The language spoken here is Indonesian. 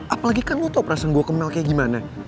apalagi kan lo tau perasaan gue kenal kayak gimana